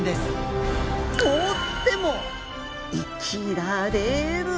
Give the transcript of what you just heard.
凍っても生きられる！？